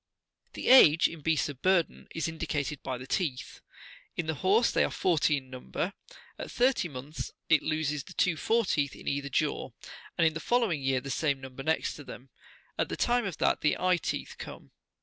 The age, in beasts of burden,41 is indicated by the teeth. In the horse they are forty in number. At thirty months it loses the two fore teeth in either jaw, and in the following year the same number next to them, at the time that the eye teeth42 come.